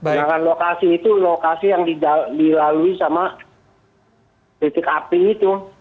sedangkan lokasi itu lokasi yang dilalui sama titik api itu